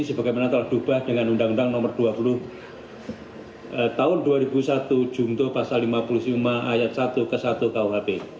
sebagaimana telah diubah dengan undang undang nomor dua puluh tahun dua ribu satu jumto pasal lima puluh lima ayat satu ke satu kuhp